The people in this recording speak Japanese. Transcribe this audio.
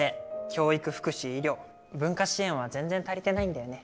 教育福祉医療文化支援は全然足りてないんだよね。